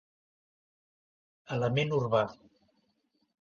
Element urbà.